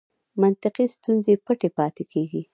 منطقي ستونزې پټې پاتې کېږي.